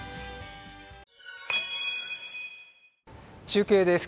中継です。